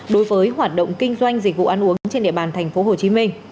đối với hoạt động kinh doanh dịch vụ ăn uống trên địa bàn tp hcm